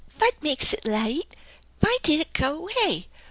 "Vat makes it light? Vy did it do avay?